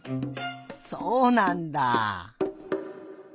そうなんだ。